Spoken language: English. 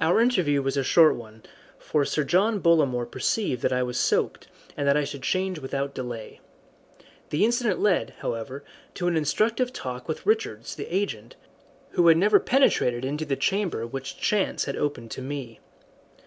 Our interview was a short one, for Sir John Bollamore perceived that I was soaked, and that I should change without delay. The incident led, however, to an instructive talk with Richards, the agent, who had never penetrated into the chamber which chance had opened to me.